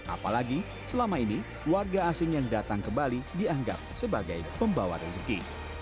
apalagi selama ini warga asing yang datang ke bali dianggap sebagai pembawa rezeki